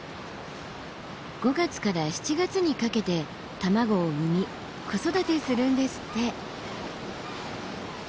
５月から７月にかけて卵を産み子育てするんですって！